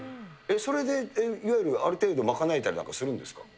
それでいわゆるある程度賄えたりするんですか。